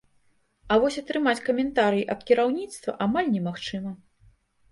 А вось атрымаць каментарый ад кіраўніцтва амаль немагчыма.